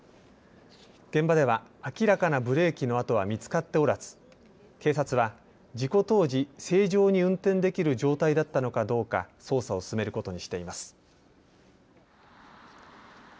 現場では明らかなブレーキの跡は見つかっておらず警察は事故当時、正常に運転できる状態だったのかどうか捜査を進めることにしています。